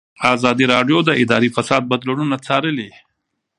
ازادي راډیو د اداري فساد بدلونونه څارلي.